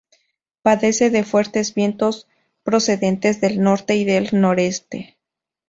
Padece de fuertes vientos procedentes del norte y del noreste.